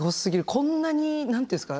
こんなに何て言うんですか？